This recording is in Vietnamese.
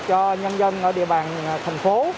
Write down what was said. cho nhân dân ở địa bàn thành phố